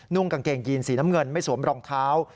กางเกงยีนสีน้ำเงินไม่สวมรองเท้า